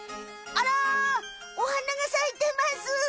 あらお花が咲いてます！